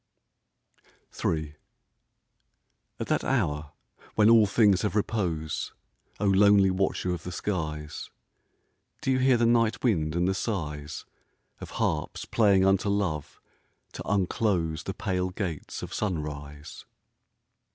■] .1 Ill At that hour when all things have repose, O lonely watcher of the skies, Do you hear the night wind and the sighs Of harps playing unto Love to unclose The pale gates of sunrise